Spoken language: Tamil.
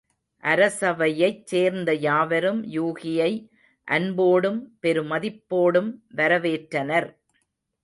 அரசவையைச் சேர்ந்த யாவரும் யூகியை அன்போடும் பெருமதிப்போடும் வரவேற்றனர்.